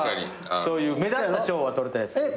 そういう目立った賞は取れてないですけどね。